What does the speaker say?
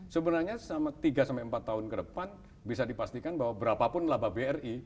sebenarnya selama tiga sampai empat tahun ke depan bisa dipastikan bahwa berapapun laba bri